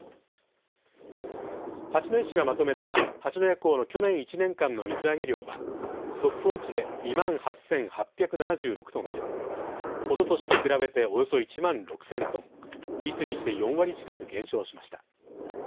八戸市がまとめた八戸港の去年１年間の水揚げ量は速報値で２万８８７６トンでおととしと比べておよそ１万６０００トン率にして４割近く減少しました。